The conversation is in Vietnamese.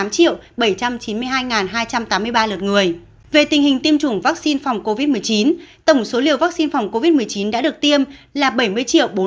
về tình hình tiêm chủng vaccine phòng covid một mươi chín tổng số liều vaccine phòng covid một mươi chín đã được tiêm là bảy mươi bốn trăm tám mươi tám sáu trăm chín mươi bốn liều